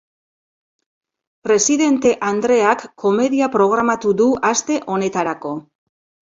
Presidente andreak komedia programatu du aste honetarako.